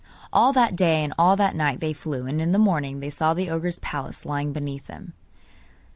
All that day and all that night they flew, and in the morning they saw the ogre's palace lying beneath them.